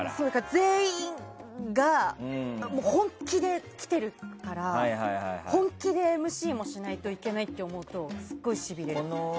全員が本気で来てるから本気でＭＣをしないといけないと思うとすごいしびれます。